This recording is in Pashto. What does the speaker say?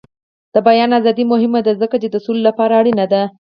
د بیان ازادي مهمه ده ځکه چې د سولې لپاره اړینه ده.